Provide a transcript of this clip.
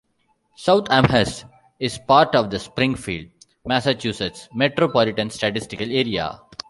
South Amherst is part of the Springfield, Massachusetts Metropolitan Statistical Area.